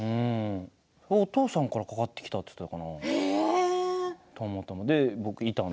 お父さんからかかってきたって言ったかなたまたま。